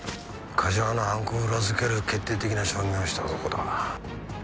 梶間の犯行を裏付ける決定的な証言をした男だ。